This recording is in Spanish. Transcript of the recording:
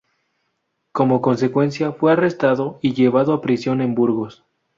Como consecuencia, fue arrestado y llevado a prisión en Burgos.